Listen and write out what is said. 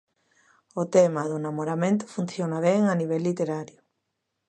O tema do namoramento funciona ben a nivel literario.